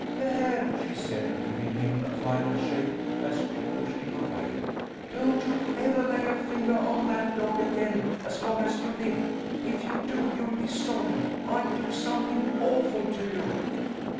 "There!" she said, giving him a final shake as she pushed him away. "Don't you evah lay a fingah on that dog again, as long as you live. If you do you'll be sorry. I'll do something awful to you!"